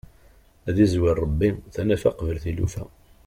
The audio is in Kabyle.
Ad izwer Ṛebbi tanafa qbel tilufa!